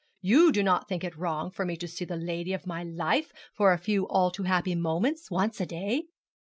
'you do not think it wrong for me to see the lady of my love for a few all too happy moments once a day?'